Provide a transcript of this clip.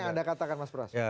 yang anda katakan mas pras